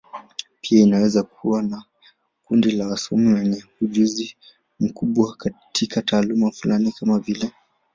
Pia inaweza kuwa kundi la wasomi wenye ujuzi mkubwa katika taaluma fulani, kama vile.